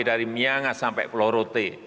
dari miangas sampai pulau rote